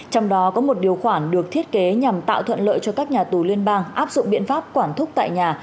trong đó có một điều khoản được thiết kế nhằm tạo thuận lợi cho các nhà tù liên bang áp dụng biện pháp quản thúc tại nhà